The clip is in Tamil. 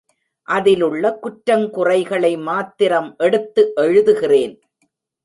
அதிலுள்ள குற்றங் குறைகளை மாத்திரம் எடுத்து எழுதுகிறேன்.